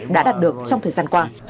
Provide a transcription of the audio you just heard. đã đạt được trong thời gian qua